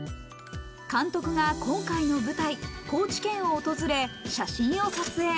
監督が今回の舞台・高知県を訪れ、写真を撮影。